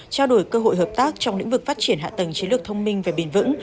trao đổi cơ hội hợp tác trong lĩnh vực phát triển hạ tầng chiến lược thông minh và bền vững